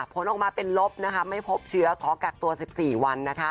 ผลออกมาเป็นลบไม่พบเชื้อขอกักตัว๑๔วัน